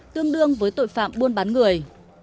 tương đương với tội phạm buôn bán người